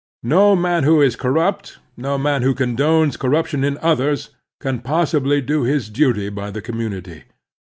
No man who is corrupt, no man who condones corruption in others, can possibly do his duty by the community.